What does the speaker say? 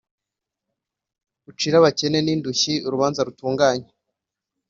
ucire abakene n’indushyi urubanza rutunganye”